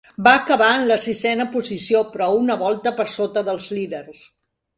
Va acabar en la sisena posició però a una volta per sota dels líders.